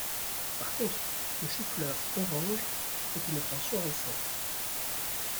Par contre, le chou-fleur orange est une obtention récente.